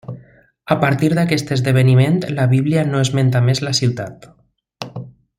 A partir d'aquest esdeveniment, la Bíblia no esmenta més la ciutat.